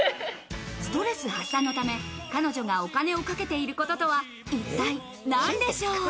ストレス発散のため彼女がお金をかけていることとは一体なんでしょう？